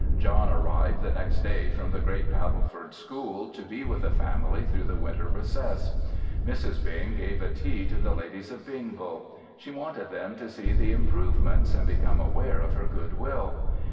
John arrived the next day from the great Padelford School to be with the family through the winter recess. Mrs. Bing gave a tea to the ladies of Bingville. She wanted them to see the improvements and become aware of her good will.